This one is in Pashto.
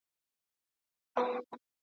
له ملوک سره وتلي د بدریو جنازې دي `